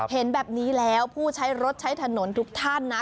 เห็นแบบนี้แล้วผู้ใช้รถใช้ถนนทุกท่านนะ